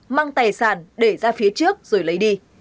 mang tài sản để ra phía trước rồi lấy đi